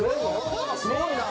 すごいな。